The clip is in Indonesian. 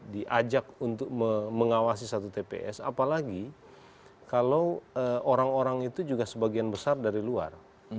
diajak untuk mengawasi satu tps apalagi kalau orang orang itu juga sebagian besar dari luar